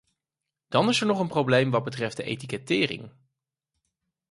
Dan is er nog een probleem wat betreft de etikettering.